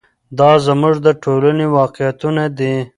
دا زموږ د ټولنې واقعیتونه دي.